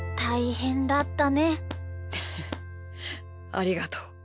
ありがとう。